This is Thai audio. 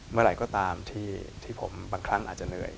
เมื่อไหร่ก็ตามที่ผมบางครั้งอาจจะเหนื่อย